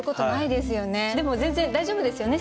でも全然大丈夫ですよね？